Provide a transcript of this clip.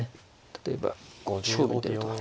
例えば勝負に出ると。